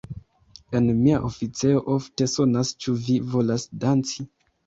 En mia oficejo ofte sonas Ĉu vi volas danci?